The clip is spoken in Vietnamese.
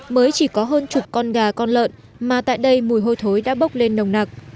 mới chỉ có hơn chục con gà con lợn mà tại đây mùi hôi thối đã bốc lên nồng nặc